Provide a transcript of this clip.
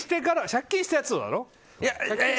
借金したやつだろ？